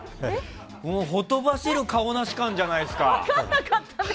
ほとばしるカオナシ感じゃないですか！